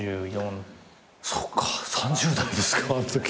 そっか３０代ですかあのとき。